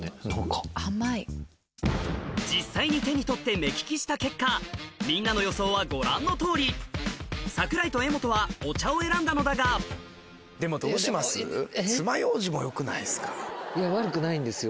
実際に手に取って目利きした結果みんなの予想はご覧のとおり桜井と柄本はお茶を選んだのだが悪くないんですよ